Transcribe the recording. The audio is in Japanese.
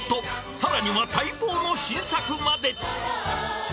［さらには待望の新作まで］